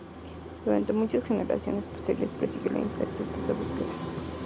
Durante muchas generaciones posteriores prosiguió la infructuosa búsqueda.